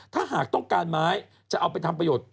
ถ้าหากต้องการไม้จะเอาไปทำประโยชน์